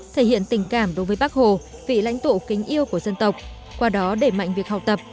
thể hiện tình cảm đối với bác hồ vị lãnh tụ kính yêu của dân tộc qua đó đẩy mạnh việc học tập